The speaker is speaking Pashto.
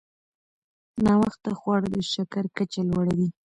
ناوخته خواړه د شکر کچه لوړوي.